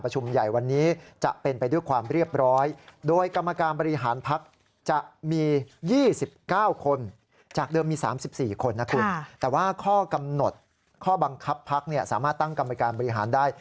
หนดข้อบังคับพักสามารถตั้งกรรมการบริหารได้